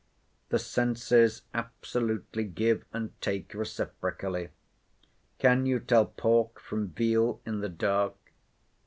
The senses absolutely give and take reciprocally. Can you tell pork from veal in the dark?